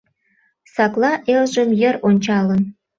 Сакла элжым йыр ончалын.